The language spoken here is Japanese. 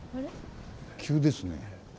急ですね。